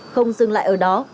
không dừng lại ở đó